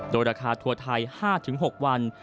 โดยราคาทัวร์ไทย๕๖วัน